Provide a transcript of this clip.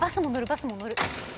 バスも乗る。